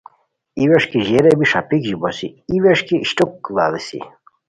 ای ووݰکی ژیریا بی ݰاپیک ژیبوسی ای ووݰکی اشٹوک لاڑیسی